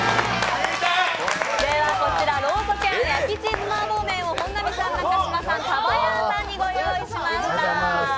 こちらの焼きチーズ麻婆麺を本並さん、中島さん、タバやんさんにご用意しました。